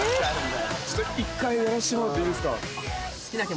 １回やらせてもらっていいですか？